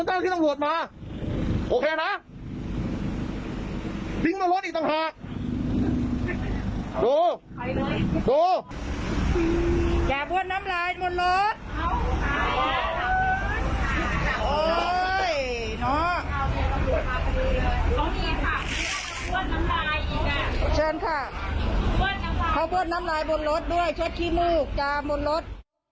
เชิญค่ะเขาเบิ้ลน้ำลายบนรถด้วยเช็ดขี้มูกจาบนรถ